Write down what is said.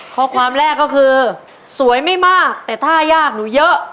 ข้อความแรกก็คือสวยไม่มากแต่ถ้ายากหนูเยอะ